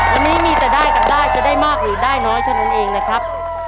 วันนี้มีแต่ได้กันได้จะได้มากหรือได้น้อยเท่านั้นเองนะครับ